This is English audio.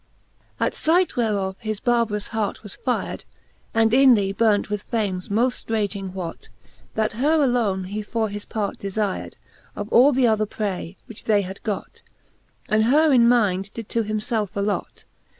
IV. At fight whereof his barbarous heart was fired, And inly burnt with flames moft raging whot, That her alone he for his part defired, Of all the other pray, which they had got, And her in mynde did to him felfe allot.